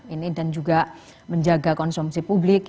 ini dan juga menjaga konsumsi publik